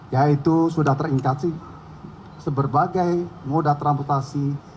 yaitu sudah terimitasi seberbagai moda transportasi